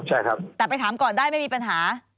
ใช่ครับแต่ไปถามก่อนได้ไม่มีปัญหา